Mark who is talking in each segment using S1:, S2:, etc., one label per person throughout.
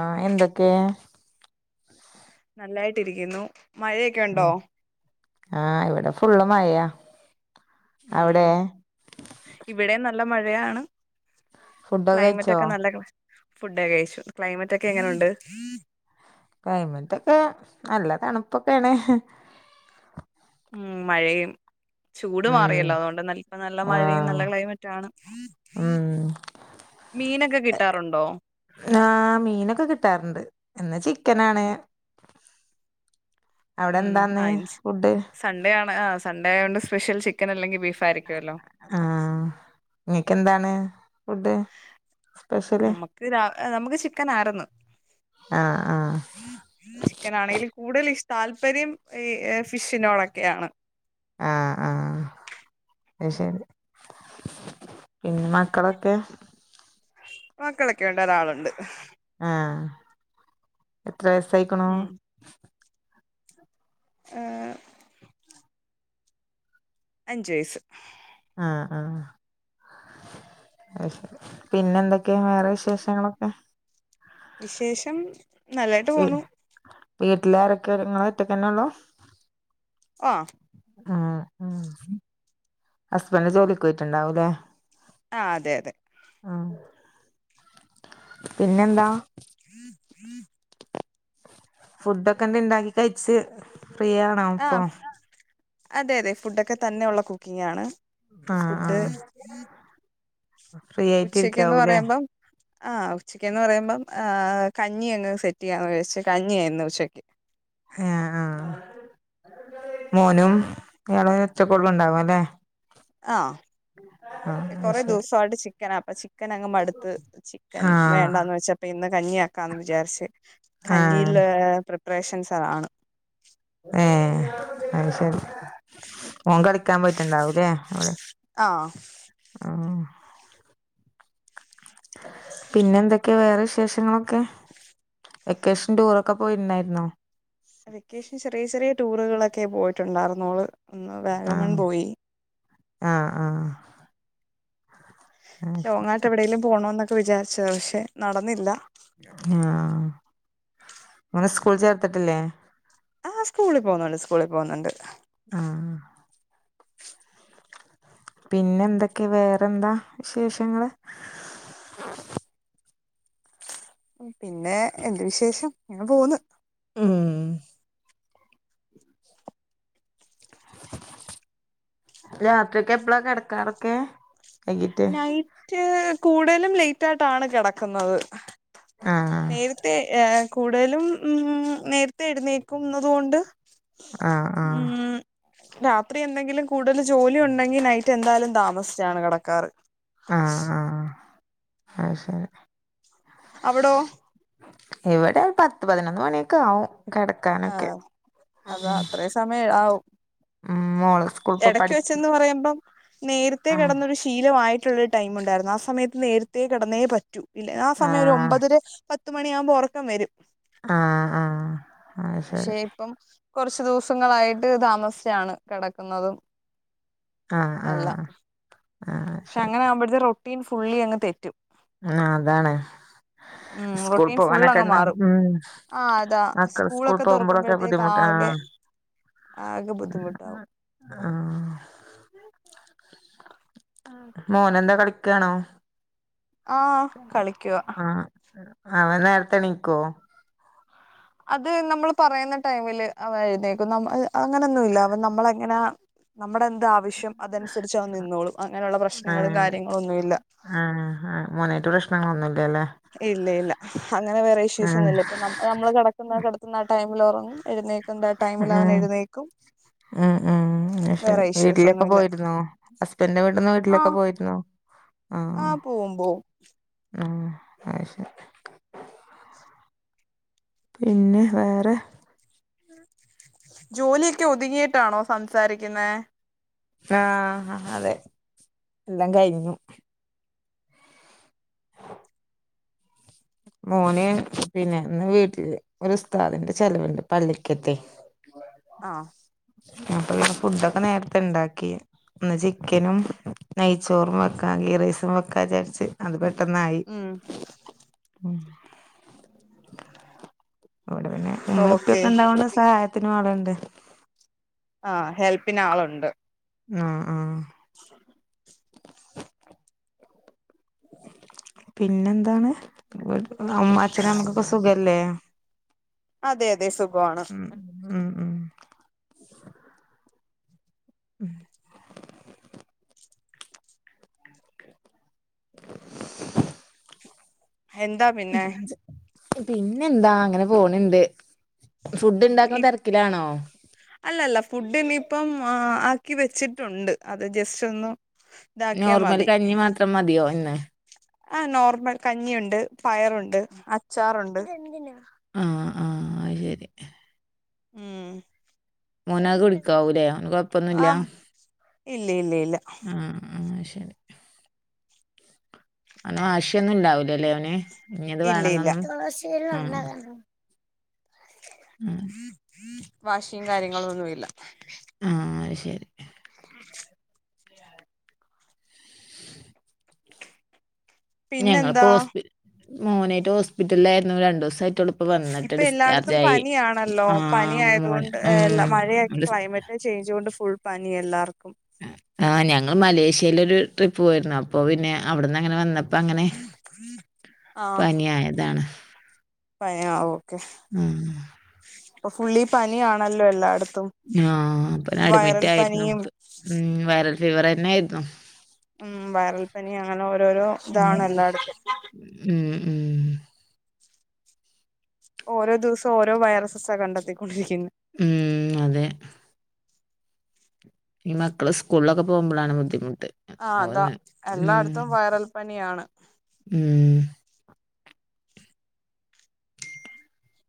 S1: ആഹ് എന്തൊക്കെ
S2: നല്ലായിട്ടിരിക്കുന്നു മഴയൊക്കെ
S1: ഉം
S2: ഉണ്ടോ?
S1: ആഹ് ഇവിടെ ഫുള്ളള് മഴയാ അവിടെ
S2: ഇവിടെ നല്ല മഴയാണ്
S1: ഫുഡൊക്കെ
S2: ക്ലൈമറ്റ്
S1: കഴിച്ചോ
S2: ഒക്കെ നല്ല [unintelligible] ഫുഡൊക്കെ കഴിച്ചു ക്ലൈമറ്റ് ഒക്കെ എങ്ങനെയുണ്ട്?
S1: ക്ലൈമറ്റ് ഒക്കെ നല്ല തണുപ്പൊക്കെയാണ്
S2: ഉം മഴയും ചൂട്
S1: ഉം
S2: മാറിയല്ലോ അതുകൊണ്ട് നപ്പ നല്ല മഴയും
S1: ആഹ്
S2: നല്ല ക്ലൈമറ്റ ആണ്
S1: ഉം
S2: മീനൊക്കെ കിട്ടാറുണ്ടോ
S1: ആഹ് മീനൊക്കെ കിട്ടാറുണ്ട് ഇ ന്നാ ചിക്കനാണ് അവിടെ
S2: ഉ
S1: എന്താന്ന്
S2: ആൻച്
S1: ഫുഡ്
S2: സൺഡേ ആണ് ആ സൺഡേ ആയൊണ്ട് സ്പെഷ്യൽ ചിക്കൻ അല്ലെങ്കിൽ ബീഫ് ആയിരിക്കുല്ലോ
S1: ആഹ് നിങ്ങക്കന്താണ് ഫുഡ് സ്പെഷ്യല്
S2: നമുക്ക് നമുക്ക് ചിക്കൻ ആരുന്നു
S1: ആഹ് ആഹ്
S2: ചിക്കൻ ആണെങ്കിൽ കൂടുതൽ ഈ താല്പര്യം ഈ ഫിഷിനോടൊക്കെയാണ്
S1: ആഹ് ആഹ് ശരി പിന്നെ മക്കളൊക്കെ
S2: മക്കളൊക്കെ വേണ്ട ഒരാളുണ്ട്
S1: ആഹ് എത്ര വയസായിക്കണു
S2: ഏഹ് അഞ്ച് വയസ്സ്
S1: ആഹ് ആഹ് പിന്നെ എന്തൊക്കെയാ വേറെ വിശേഷങ്ങളൊക്കെ
S2: വിശേഷം നല്ലായിട്ട് പോന്നു
S1: വീട്ടിലാരൊക്കെ നിങ്ങളൊറ്റക്കന്നെ ഉള്ളോ
S2: ആഹ്
S1: ഉം ഹസ്ബൻഡ് ജോലിക്ക് പോയിട്ടുണ്ടാവൂലേ
S2: ആഹ് അതെ അതെ
S1: ആഹ് പിന്നെന്താ
S2: ഹ ഹും
S1: ഫുഡ് ഒക്കെ എന്തെ ഉണ്ടാക്കി കഴിച്ച് പ്രിയ
S2: ആഹ് അതെ അതെ ഫുഡൊക്കെ തന്നെള്ള കുക്കിംഗ് ആണ്
S1: ആഹ്
S2: ഫുഡ്
S1: ആഹ് ഫ്രീ ആയിട്ട്
S2: ഉച്ചക്ക്ന്ന്
S1: ഇരിക്കാവൂല്ലേ
S2: പറയുമ്പം ആഹ് ഉച്ചക്ക്ന്ന് പറയുമ്പം കഞ്ഞി അങ്ങ് സെറ്റ് ചെയ്യാന്ന് ചിച്ച കഞ്ഞി ആയിരുന്നു ഉച്ചയ്ക്ക്
S1: ആഹ് ആഹ് മോനും ഇയാള ഒച്ചക്കള്ളും ഉണ്ടാവല്ലേ ആഹ്
S2: ആഹ്
S1: അത്
S2: കൊറെ
S1: ശരി
S2: ദിവസമായിട്ട് ചിക്കനപ്പൊ ചിക്കൻ അങ്ങുമടുത്ത് ചിക്കൻ
S1: ആഹ്
S2: വേണ്ടാന്ന് വെച്ചപ്പ ഇന്ന് കഞ്ഞി ആക്കാന്ന് വിചാരിച്ച് കഞ്ഞിൽ
S1: ആഹ്
S2: അങ്‌ ത്രി ഓ പ്രഷൻ സർ ആണ്
S1: ഏഹ് അത് ശരി ഓന് കളിക്കാൻ പോയിട്ടുണ്ടാവലേ അവിടെ
S2: ആ
S1: ആ പിന്നെന്തൊക്കെ വേറെ വിശേഷങ്ങളൊക്കെ വെക്കേഷൻ ടൂറൊക്കെ പോയിണ്ടായിരുന്നോ
S2: വെക്കേഷൻ ചെറിയ ചെറിയ ടൂറുകളൊക്കെ പോയിട്ടുണ്ടായിരുന്നോള് ഒന്ന് വേഗമൺ പോയി
S1: ആഹ് ആഹ് ആഹ്
S2: ലോങ്ങായിട്ട് എവിടെേങലും പോണോ എന്നൊക്കെ വിചാരിച്ചത് പക്ഷെ നടന്നില്ല
S1: ആഹ് അങ്ങനെ സ്കൂൾ ചേർത്തിട്ടില്ലേ
S2: ആഹ് സ്കൂളിൽ പോന്നുണ്ട് സ്കൂളിൽ പോകുന്നുണ്ട്
S1: ആഹ് പിന്നെ എന്തൊക്കെ വേറെന്താ വിശേഷങ്ങള്
S2: പിന്നെ എന്ത് വിശേഷം അങ്ങനെ പോവ്ന്ന്
S1: മ് ഉം രാത്രിക്കെ എപ്പളാ കിടക്കാറൊക്കെ
S2: നൈറ്റ് കൂടുതലും ലെയിറ്റായിട്ടാണ് കിടക്കുന്നത്
S1: ആഹ്
S2: നേരത്തെ എഹ് കൂടുതലും നേര നേരത്തെഴുന്നേക്കുന്നതുകൊണ്ട്
S1: ആഹ് ആഹ്
S2: ഉം രാത്രി എന്തെങ്കിലും കൂടുതൽ ജോലി ഉണ്ടെങ്കിൽ നൈറ്റ് എന്തായാലും താമസിച്ചാണ് കെടക്കാറ്
S1: ആഹ് ആഹ് ഐശരി
S2: അവടോ?
S1: ഇവിടെ ഒരു പത്ത് പതിനൊന്ന് മണിയൊക്കെ ആവും കെടക്കാനൊക്കെ
S2: ആഹ് അതാ
S1: ഉം
S2: അത്രയും സമയം ആവും
S1: ഉം മോളെ സ്കൂളിപ്പോ
S2: എടക്ക് വെച്ചന്ന്
S1: പഠിപ്പിക്ക
S2: പറയുമ്പം നേരത്തെ
S1: ആഹ്
S2: കെടന്നൊരി ശീലമായിട്ടുള്ളൊരു ടൈമുണ്ടായിരുന്നു ആ സമയത്ത് നേരത്തേ കിടന്നേ പറ്റൂ ഇല്ല ആ സമയൊരു
S1: ആഹ്
S2: ഒമ്പതെര പത്ത് മണിയാവുമ്പോ ഒറക്കം വരും
S1: ആഹ് ആഹ് അത്
S2: പക്ഷെ
S1: ശരി
S2: ഇപ്പം കുറച്ച് ദിവസങ്ങളായിട്ട് താമസിച്ചിട്ടാണ് കിടക്കുന്നതും
S1: ആഹ്
S2: എല്ല
S1: ആഹ് ആഹ്
S2: പക്ഷെ
S1: ശരി
S2: അങ്ങനെ ആവുമ്പോത്തിനും റൊട്ടീൻ ഫുള്ളി അങ്ങ് തെറ്റും
S1: ആ അതാണ്
S2: ഉം
S1: സ്കൂൾ
S2: റൊട്ടീൻ ഫുൾ അങ്ങ്
S1: പോവാനൊക്കെണ്ടാവു
S2: മാറും
S1: ഉം
S2: ആ അതാ
S1: മക്കൾ സ്കൂൾ
S2: സ്കൂളൊക്കെ
S1: പോകുമ്പോഴൊളൊക്കെ ബുദ്ധിമുട്ടാണോ
S2: അതൊകെ ബുദ്ധിമുട്ടാവും
S1: ആഹ് മോനെന്താ കളിക്കാണോ?
S2: ആഹ് കളിക്കുവാ
S1: ആഹ് അവൻ നേരത്തെ ണീക്കോ?
S2: അത് നമ്മള് പറയുന്ന ടൈമില് അവനെഴുന്നേക്കും അങ്ങനെയൊന്നുംല്ല അവ നമ്മളെങ്ങനെ നമ്മടെ എന്താവശ്യം അതനുസരിച്ച് അവൻ നിന്നോളും അങ്ങനെയുള്ള പ്രശ്നങ്ങളു കാര്യങ്ങളും ഒന്നു യില്ല
S1: ആ ആഹ് മോനായിട്ട് പ്രശ്നങ്ങളൊന്നുല്ലല്ലേ
S2: ഇല്ലയില്ല അങ്ങനെ വേറെ ഇഷ്യൂസ്
S1: ആഹ്
S2: ഒന്നുല്ല ഇപ്പ നമ്മള് കിടക്കുന്ന കിടക്കുന്ന ആ ടൈമിലുറങ്ങും എഴുന്നേക്കും എണീക്കേണ്ട ടൈമിൽ അവൻ എഴുന്നേക്കും
S1: അ അ.
S2: വേറെ ഇഷ്യൂസ്
S1: വീട്ടിലൊക്കെ
S2: ഒന്നുമില്ല
S1: പോയിരുന്നോ ഹസ്ബന്റിന്റെ വീട്ടന്ന്
S2: ആ
S1: വീട്ടിലേക്കൊക്കെ പോയിരുന്നോ?
S2: ആ പോവും പോവും
S1: ആ അത് ശരി പിന്നെ വേറെ
S2: ജോലിയൊക്കെ ഒതുങ്ങിട്ടാണോ സംസാരിക്കുന്നേ?
S1: ആന് അതെ എല്ലാം കയിഞ്ഞു മോന് പിന്നെന്ന് വീട്ടില് ഒരുസ്താദിന്റെ ചെലവുണ്ട് പള്ളിക്കത്തെ ആ ആപ്പൊ ഫുഡൊക്കെ നേരത്തെ ഇണ്ടാക്കി ഇന്ന് ചിക്കനും നെയ്ച്ചോറും വെക്കാ ഗീറൈസും വെക്കാന്നിജാരിച്ച് അത് പെട്ടെന്ന് ആയി
S2: ഉം
S1: ഉം ഇവിടെ പിന്നെ ഉമ്മയും
S2: ഓക്കെ
S1: ഉപ്പയൊക്കെ ഉണ്ടാവണെ സഹായ ത്തിനും ആളുണ്ട്
S2: ആ ഹെൽപ്പിനാളുണ്ട്
S1: ആഹ് ആ
S2: [inaudible]
S1: [inaudible] പിന്നെന്താണ് അമ്മ അച്ഛനെമ്മക്കൊക്കെ സുഖല്ലേ
S2: അതെ അതെ സുഖവാണ്
S1: ഉം ഉം ഉം ഉം
S2: എന്താ പിന്നെ
S1: പിന്നെ എന്താ അങ്ങനെ പോണണ്ട് ഫുഡ് ഉണ്ടാക്കുന്ന തിരക്കിലാണോ
S2: അല്ലല്ല ഫുഡ് ഇനിയിപ്പം ആക്കി വെച്ചിട്ടുണ്ട് അത് ജസ്റ്റ് ഒന്നും
S1: നോർമൽ കഞ്ഞി മാത്രം മതിയോ ഇന്ന്
S2: ആഹ് നോർമൽ കഞ്ഞിയുണ്ട് പയറുണ്ട് അച്ചാറുണ്ട്
S1: ആഹ്ആഹ് അയ് ശരി
S2: ഉം
S1: മോനാകെ കുടിക്കാവൂല്ലേ ഓന് കൊഴപ്പൊന്നുമില്ല
S2: ആ ഇല്ല ഇല്ല ഇല്ല
S1: ഉ ആഹ് ശരി അവന് വാശി ഒന്നും ഉണ്ടാവില്ലലല്ലേ അവന് ഇന്നത്
S2: ഇല്ല ഇല്ല
S1: വേണംന്നൊന്നും ഉ ഉം
S2: വാശിയും കാര്യങ്ങളും ഒന്നുംല്ല
S1: ആ ഹ്ശരി
S2: ഉ
S1: ഞങ്ങൾ പ്പ
S2: പിന്നെന്താ
S1: ഹോസ്പിറ്റലിൽ മോനായിട്ട് ഹോസ്പിറ്റലിലായിരുന്നു രണ്ടു ദിവസമായിട്ടുള്ളു
S2: ഇപ്പൊ എല്ലായിടത്തും പനിയാണല്ലോ പനി
S1: ആഹ് മോന്
S2: ആയതുകൊണ്ട്
S1: ഉം
S2: മഴയ
S1: ഡിസ്
S2: ക്ലൈമറ്റ് ചേയിഞ്ച് കൊണ്ട് ഫുൾ പനി എല്ലാവർക്കും
S1: ആഹ് ഞങ്ങൾ മലേഷ്യൽ ഒരു ട്രിപ്പ് പോയിരുന്നു അപ്പോ പിന്നെ അവിടുന്ന് അങ്ങനെ വന്ന പ്പം അങ്ങനെ പനിയായതാണ്
S2: പനിയ ഓക്കെ
S1: ഉം
S2: ഇപ്പ ഫുള്ളി പനാണല്ലോ എല്ലായിടത്തും
S1: ആഹ് അപ്പൊ അഡ്മിറ്റ്
S2: വൈറൽ
S1: ആയിരുന്നു
S2: പനിയും
S1: ഉ വൈറൽ ഫീവർ തന്നെ ആയിരുന്നു
S2: ഉം വയറൽപ്പനി അങ്ങനെ ഓരോരോ
S1: ഉം
S2: ഇതാണ് എല്ലായിടത്തും
S1: ഉം ഉം
S2: ഓരോ ദിവസം ഓരോ വൈറസസ്സാ കണ്ടെത്തിക്കൊണ്ടിരിക്കുന്നു
S1: ഉം അതെ ഈ മക്കള് സ്കൂളിലൊക്കെ പോകുമ്പോഴാണ് ബുദ്ധിമുട്ട്
S2: ആഹ് അതാ
S1: ഓന്ന് ഉം
S2: എല്ലായിടത്തും വൈറൽ പനിയാണ്
S1: ഉം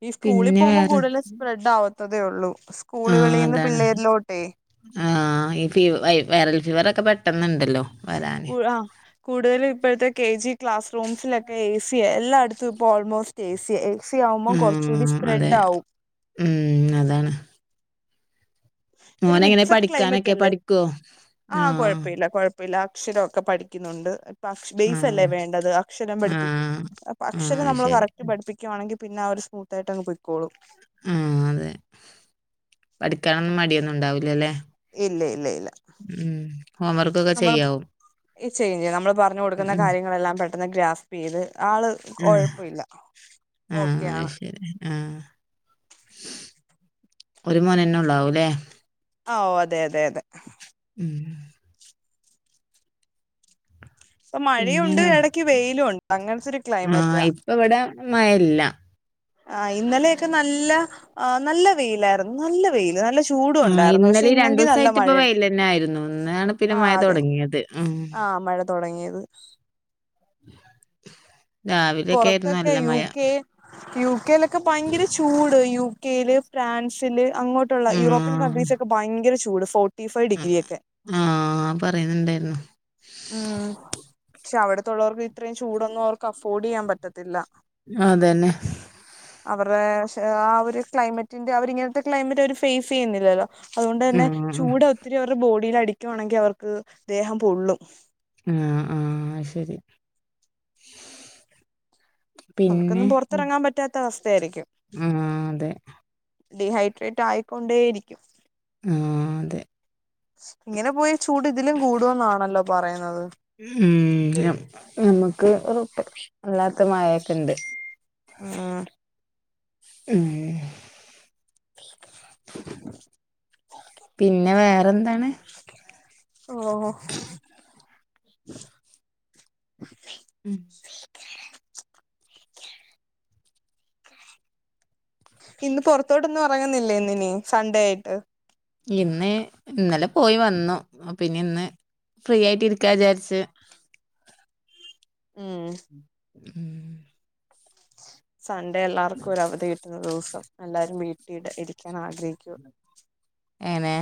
S2: ഈ സ്കൂളിൽ
S1: പിന്നെ
S2: പോക്പം
S1: വേറെ
S2: കൂടുതലും സ്പ്രെഡ് ആവത്തതേ ഉള്ളൂ
S1: ആഹ്
S2: സ്കൂളുകളിൽന്ന്
S1: അതാണ്
S2: പിള്ളേരിലോട്ടേ
S1: ആഹ് ഈ ഫീ വൈറൽ ഫീവർ ഒക്കെ പെട്ടെന്നുണ്ടല്ലോ വരാന്
S2: പുഴ കൂടുതലും ഇപ്പോഴത്തെ കെ ജി ക്ലാസ് റൂംസിലൊക്കെ എഏ സി എല്ലായിടത്തും ഇപ്പോൾ ഓൾമോസ്റ്റ് എഏ സി ഏസി ആവുമ്പം കുറച്ച്കൂടി
S1: ആഹ് അതെ
S2: സ്പ്രെഡ് ആകും
S1: ഉം അതാണ്
S2: ഒരു
S1: മോനെങ്ങനെ
S2: മിക്സഡ് ക്ലൈമറ്റ്
S1: പഠിക്കാനൊക്കെ
S2: അല്ലേ
S1: പഠിക്കോ
S2: ആഹ് കുഴപ്പമില്ല കുഴപ്പമില്ല അക്ഷരമൊക്കെ പഠിക്കുന്നുണ്ട് ക്ലാസ്ബേസ് അല്ലേ
S1: ആഹ്
S2: വേണ്ടത് അക്ഷരം പഠിപ്പിക്ക
S1: ആഹ്
S2: അക്ഷരം
S1: ആഹ്
S2: നമ്മള്
S1: ശരി
S2: കറക്റ്റ് പഠിപ്പിക്ക പിക്കുകവാണെങ്കിൽന്നെ അവര് സ്മൂത്തയിട്ട് അങ് പോയ് ക്കോളും
S1: ആഹ് അതെ പഠിക്കാനൊന്നും മടിയൊന്നും ഉണ്ടാവില്ല ല്ലേ
S2: ഇല്ല ഇല്ല ഇല്ല
S1: ഉം ഹോം വർക്ക്ൊക്കെ
S2: നമ്മൾ
S1: ചെയ്യാവും
S2: ചെയ്യും ചെയ്യും നമ്മള് പറഞ്ഞു കൊടുക്കുന്ന
S1: ഉം ഉം
S2: കാര്യങ്ങളെല്ലാം പെട്ട ഗ്രാഫ്പ് ചെയ്ത് ആള്
S1: ആഹ്
S2: കുഴപ്പില്ല ഓക്കെ ആണ്
S1: ആഹ ഒരു മോനന്നെ ഉള്ളാവൂല്ലേ
S2: ഓ അതെ അതെ അതെ
S1: ഉം
S2: ഇപ്പൊ
S1: പിന്നെ
S2: മഴയുണ്ട് ഇടക്ക് വെയിലും ഉണ്ട് അങ്ങനത്തെ ഒരു ക്ലൈമറ്റാ
S1: ഇപ്പൊ ഇവിടെ മഴയില്ല
S2: ആ, ഇന്നലെയൊക്കെ നല്ല നല്ല വെയിലായിരുന്നു നല്ല വെയില് നല്ല ചൂ ചൂടു
S1: ആഹ്
S2: ഉണ്ടായിരുന്നു പക്ഷെ
S1: ഇന്നലേം
S2: ഇന്നെങ്കിൽ നല്ല
S1: രണ്ടൂസായിട്ട് ഇപ്പ
S2: മഴയുണ്ട്,
S1: വെയിലന്നായിരുന്നു. ഇന്നാണ് പിന്നെ
S2: ആ
S1: മഴ
S2: അതെ
S1: തൊടങ്ങിയത്. ഉം
S2: ആ മഴ തുടങ്ങിയത്
S1: രാവിലെക്കെ ആയിരുന്നു,
S2: പുറത്തൊക്കെ
S1: നല്ല
S2: യു
S1: മഴ
S2: കെ യു കെയിലൊക്കെ ഭയങ്കര ചൂട് യു കെയില്, ഫ്രാൻസില് അങ്ങോട്ടുള്ള യൂറോപ്പ്
S1: ആഹ്
S2: കൺട്രീസൊക്കെ ഭയങ്കര ചൂട് ഫോർട്ടിഫൈവ് ഡിഗ്രിയൊക്കെ
S1: ആഹ പറയുന്നുണ്ടായിരുന്നു
S2: ഉം, ക്ഷെ അവിടത്തുള്ളവർക്ക് ഇത്രയും ചൂടൊന്നും അവർക്ക് അഫോർഡ് ചെയ്യാൻ പറ്റത്തില്ല
S1: അതന്നെ
S2: അവരുടെ ആ ഒരു ക്ലൈമറ്റിന്റെ അവരിങ്ങനത്തെ ക്ലൈമറ്റ് അവര് ഫേസ് ചെയ്യുന്നില്ലല്ലോ അതുകൊണ്ട് തന്നെ
S1: ആഹ്
S2: ചൂട് ഒത്തിരി അവരുടെ ബോഡില് അടിക്കുവാണെങ്കിൽ അവർക്ക് ദേഹം പൊള്ളും
S1: ആഹ ആഹ ശരി പിന്നെ
S2: അവർക്കൊന്നും പുറത്തിറങ്ങാൻ പറ്റാത്ത അവസ്ഥയായിരിക്കും
S1: ഉം അതെ
S2: ഡീഹൈഡ്രേറ്റ് ആയിക്കൊണ്ടേയിരിക്കും
S1: ആഹ് അതെ.
S2: ഇങ്ങനെ പോയ ചൂട് ഇതിലും കൂടു എന്നാണല്ലോ പറയുന്നത്
S1: ഉം, നമ്മുക്ക് അല്ലാത്ത മയൊക്കെ ഉണ്ട്
S2: ആഹ്
S1: ഉം
S2: [unintelligible]
S1: പിന്നെ വേറെ എന്താണ്
S2: ഓ
S1: [unintelligible] ഉം
S2: [unintelligible] ഇന്ന് പുറത്തോട്ടൊന്നും ഇറങ്ങുന്നില്ലേ ഇന്ന്നി സൺഡേ ആയിട്ട്.
S1: ഇന്ന് ഇന്നലെ പോയി വന്നു പിന്നെ ഇന്ന് ഫ്രീ ആയിട്ട് ഇരിക്കാ വിചാരിച്
S2: ഉം
S1: ഉം
S2: സൺഡേ എല്ലാവർക്കും ഒര അവധി കിട്ടുന്ന ദിവസം എല്ലാവരും വീട്ടിടെ ഇരിക്കാൻ ആഗ്രഹിക്കൂ
S1: എ ന്നെ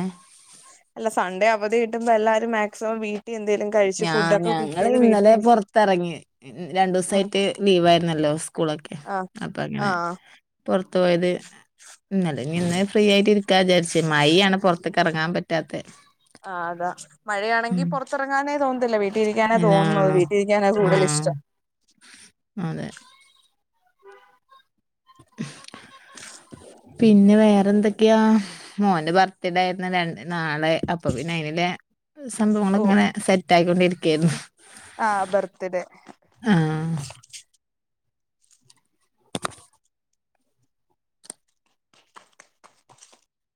S2: അല്ല സൺഡേ അവധി കട്ടുമ്പോ എല്ലാരും മാക്സിമം വീ ട്ടി എന്തെങ്കിലും
S1: ഞാ ഞങ്ങള് ഇന്നലെ പുറത്തിറങ്ങി രണ്ടു
S2: ഉം
S1: ദിവസയിട്ട് ലീവ് ആയിരുന്നല്ലോ സ്കൂളൊക്കെ
S2: ആഹ്
S1: അപ്പ അങ്ങനെ
S2: ആഹ്
S1: പുറത്ത പോയത് ഇന്നല്ലേ ഇന്ന് ഫ്രീ ആയിട്ട് ഇ വിചാരിച്ച മഴ ആണ് പുറത്തേക്ക് ഇറങ്ങാൻ പറ്റാത്ത
S2: പുറത്തിറങ്ങാനേ തോന്നുന്നല്ല വീട്ടിലിരിക്കാനെ തോന്നുന്നത്, വീട്ടിരിക്കാനാണ് കൂടുതൽ
S1: ആഹ്
S2: ഇഷ്ടം
S1: അതെ പിന്നെ വേറെന്തൊക്കെയാ മോന്റെ ബർത്ത്ഡേ ആയിരുന്നു രണ്ട് നാളെ അപ്പൊ പിന്നെ അയിനല് സംഭവങ്ങൾ
S2: ഓഹ്
S1: ഇങ്ങനെ സെറ്റ് ആയിക്കൊണ്ടിരിക്കയായിരുന്നു
S2: ആഹ് ബർത്തഡേ
S1: ആഹ്